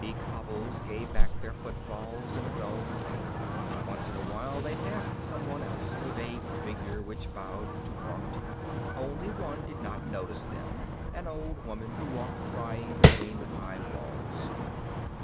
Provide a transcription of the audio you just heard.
The cobbles gave back their footfalls in a dull clatter. Once in a while they passed someone else, a vague figure which bowed to Kormt. Only one did not notice them, an old woman who walked crying between the high walls.